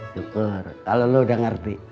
syukur kalau lo udah ngerti